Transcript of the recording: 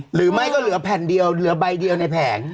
หรือไม่ก็เหลือแผ่นเดียวเดียวใบในแผง